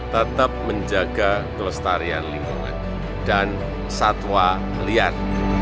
tetap menjaga kelestarian lingkungan dan satwa liar